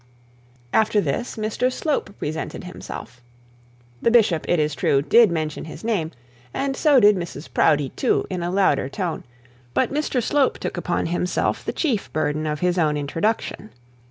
After this Mr Slope presented himself. The bishop, it is true, did mention his name, and so did Mrs Proudie too, in a louder tone; but Mr Slope took it upon himself the chief burden of his own introduction.